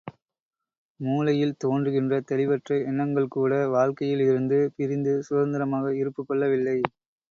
மூளையில் தோன்றுகிற தெளிவற்ற எண்ணங்கள்கூட, வாழ்க்கையில் இருந்து பிரிந்து சுதந்திரமாக இருப்புக் கொள்ளவில்லை.